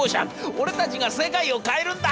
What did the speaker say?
俺たちが世界を変えるんだ！』。